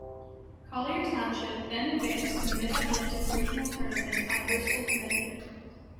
Collier Township then advanced to the Mid-Atlantic Regional Tournament at Bristol, Connecticut.